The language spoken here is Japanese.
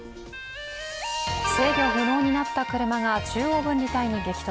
制御不能になった車が中央分離帯に激突。